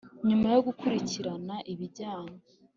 Nyuma yo gukurikirana ibijyanye